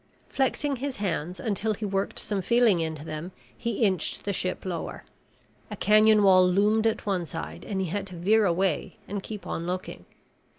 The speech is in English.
Flexing his hands until he worked some feeling into them, he inched the ship lower. A canyon wall loomed at one side and he had to veer away and keep on looking.